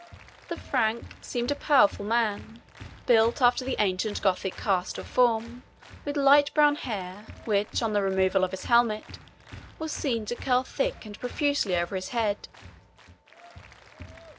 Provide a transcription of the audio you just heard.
The Frank seemed a powerful man, built after the ancient Gothic cast of form, with light brown hair, which, on the removal of his helmet, was seen to curl thick and profusely over his head.